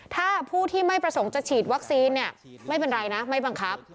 ถ้าผู้ที่ไม่ประสงค์จะฉีดวัคซีนเนี่ยไม่เป็นไรนะไม่บังคับ